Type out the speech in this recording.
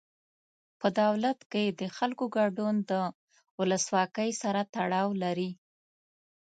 په دولت کې د خلکو ګډون د ولسواکۍ سره تړاو لري.